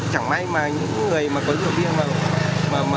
chẳng may mà những người mà có rượu bia